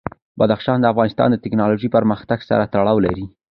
بدخشان د افغانستان د تکنالوژۍ پرمختګ سره تړاو لري.